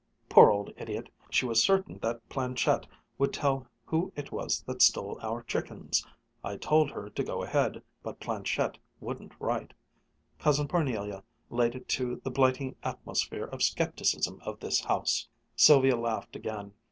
"Poor old idiot, she was certain that planchette would tell who it was that stole our chickens. I told her to go ahead but planchette wouldn't write. Cousin Parnelia laid it to the blighting atmosphere of skepticism of this house." Sylvia laughed again.